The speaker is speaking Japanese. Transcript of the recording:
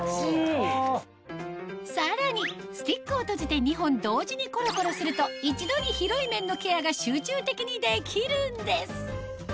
さらにスティックを閉じて２本同時にコロコロすると一度に広い面のケアが集中的にできるんです！